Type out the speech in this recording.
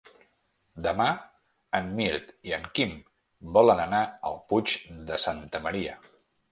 Demà en Mirt i en Quim volen anar al Puig de Santa Maria.